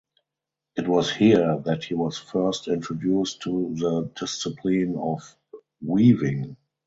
It was here that he was first introduced to the discipline of weaving.